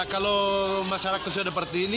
kalau masyarakat sudah seperti ini